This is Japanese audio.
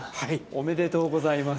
おめでとうございます